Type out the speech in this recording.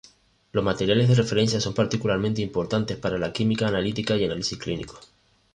Los materiales de referencia son particularmente importantes para la química analítica y análisis clínicos.